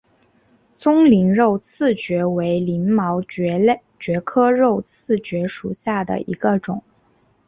棕鳞肉刺蕨为鳞毛蕨科肉刺蕨属下的一个种。